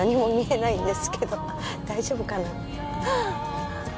大丈夫かな？